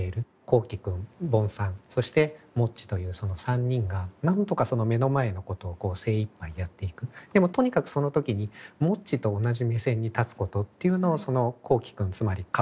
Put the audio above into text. コーキ君ボンさんそしてもっちというその３人がなんとかその目の前のことを精いっぱいやっていくでもとにかくその時にもっちと同じ目線に立つことっていうのをそのコーキ君つまりカトーさんですね